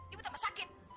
ibu tetap sakit